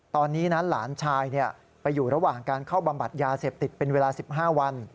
ตอนนี้นั้นหลานชายไปอยู่ระหว่างการเข้าบำบัดยาเสพติดเป็นเวลา๑๕วัน